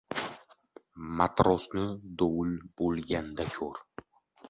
• Matrosni dovul bo‘lganda ko‘r.